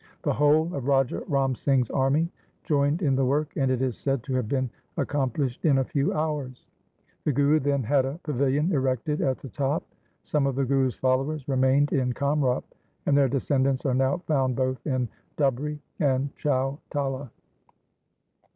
The whole of Raja Ram Singh's army joined in the work, and it is said to have been accomplished in a few hours. The Guru then had a pavilion erected at the top. Some of the Guru's followers remained in Kamrup, and their descendants are now found both in Dhubri and Chaotala.